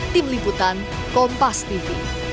tim liputan kompas tv